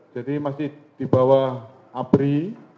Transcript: jadi masih di bawah abri